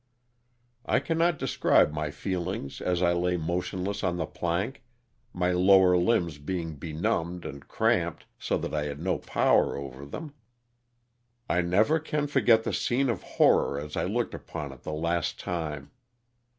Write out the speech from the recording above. I cannot describe my feelings as I lay motionless on the plank, my lower limbs being benumbed and cramped so that I had no power over them. I never can forget the scene of horror as I looked upon it the last time.